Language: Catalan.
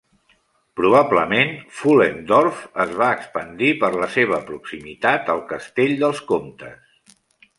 Probablement, Pfullendorf es va expandir per la seva proximitat al castell dels comtes.